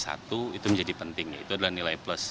kaitan dengan ri satu itu menjadi penting itu adalah nilai plus